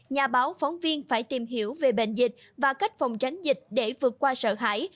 nhà báo phóng viên phải tìm hiểu về bệnh dịch và cách phòng tránh dịch để vượt qua sợ hãi